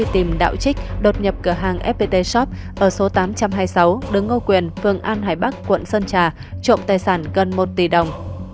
tìm đạo trích đột nhập cửa hàng fpt shop ở số tám trăm hai mươi sáu đường ngô quyền phường an hải bắc quận sơn trà trộm tài sản gần một tỷ đồng